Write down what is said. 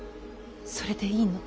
それでいいの。